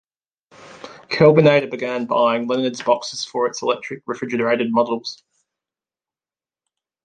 Kelvinator began buying Leonard's boxes for its electric refrigerated models.